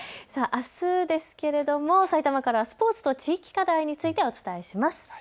あす埼玉から、スポーツと地域課題についてお伝えします。